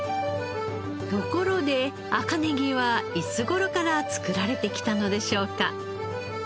ところで赤ネギはいつ頃から作られてきたのでしょうか？